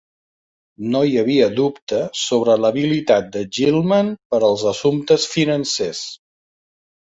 No hi havia dubte sobre l'habilitat de Gilman per als assumptes financers.